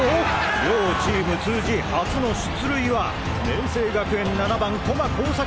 両チーム通じ初の出塁は明青学園７番駒耕作。